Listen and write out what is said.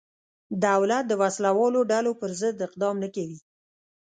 دولت د وسله والو ډلو پرضد اقدام نه کوي.